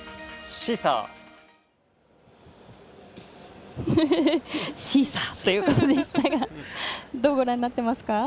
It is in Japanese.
シーサー！ということでしたがどうご覧になっていますか？